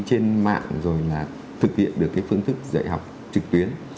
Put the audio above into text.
trên mạng rồi là thực hiện được cái phương thức dạy học trực tuyến